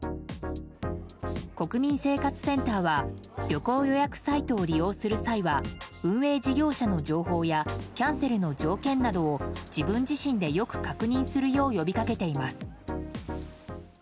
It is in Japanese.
国民生活センターは旅行予約サイトを利用する際は運営事業者の情報やキャンセルの条件などを自分自身でよく確認するよう呼びかけています。